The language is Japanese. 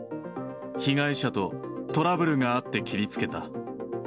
被害者とトラブルがあって切りつけた。